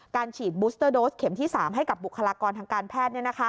การฉีดบูสเตอร์โดสเข็มที่๓ให้กับบุคลากรทางการแพทย์